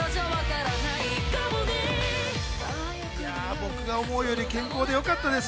僕が思うより健康でよかったです。